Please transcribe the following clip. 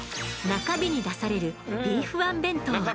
中日に出されるビーフワン弁当は。